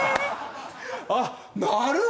あっなるほど！